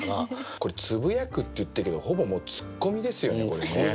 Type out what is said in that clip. これ「つぶやく」って言ってるけどほぼもうツッコミですよねこれね。